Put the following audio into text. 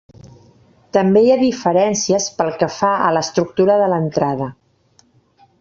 També hi ha diferències pel que fa a l'estructura de l'entrada.